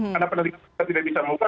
karena penelitian tidak bisa membuka